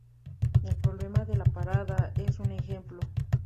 El problema de la parada es un ejemplo.